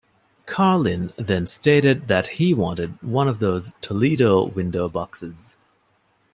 Carlin then stated that he wanted one of those Toledo Window Boxes.